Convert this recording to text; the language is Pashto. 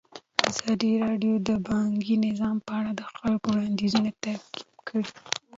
ازادي راډیو د بانکي نظام په اړه د خلکو وړاندیزونه ترتیب کړي.